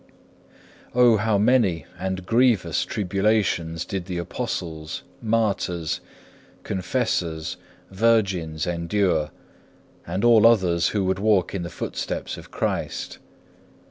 2. O how many and grievous tribulations did the Apostles, Martyrs, Confessors, Virgins, endure; and all others who would walk in the footsteps of Christ.